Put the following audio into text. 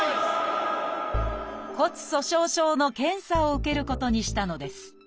骨粗しょう症の検査を受けることにしたのです。